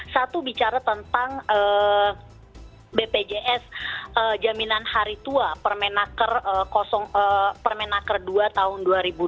satu bicara tentang bpjs jaminan hari tua permenaker dua tahun dua ribu dua puluh